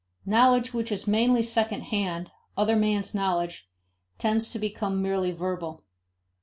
Knowledge which is mainly second hand, other men's knowledge, tends to become merely verbal.